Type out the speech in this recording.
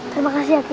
terima kasih aki